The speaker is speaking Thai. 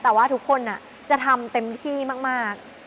แต่ว่าทุกคนจะทำเต็มที่มาก